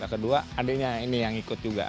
kedua adiknya ini yang ikut juga